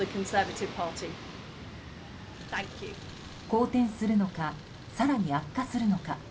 好転するのか更に悪化するのか。